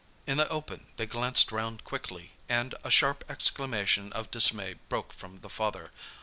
In the open they glanced round quickly, and a sharp exclamation of dismay broke from the father.